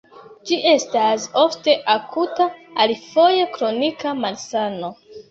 Ĝi estas ofte akuta, alifoje kronika malsano.